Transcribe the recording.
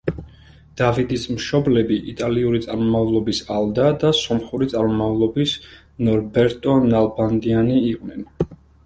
დავიდის მშობლები იტალიური წარმომავლობის ალდა და სომხური წარმომავლობის ნორბერტო ნალბანდიანი იყვნენ.